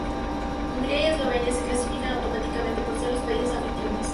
Hungría y Eslovenia se clasificaron automáticamente por ser los países anfitriones.